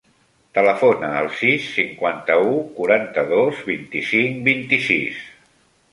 Telefona al sis, cinquanta-u, quaranta-dos, vint-i-cinc, vint-i-sis.